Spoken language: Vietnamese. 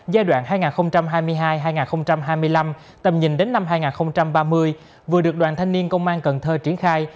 giai đoạn hai nghìn hai mươi hai hai nghìn hai mươi năm tầm nhìn đến năm hai nghìn ba mươi vừa được đoàn thanh niên công an cần thơ triển khai